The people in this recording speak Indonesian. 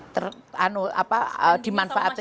ter anu apa dimanfaatkan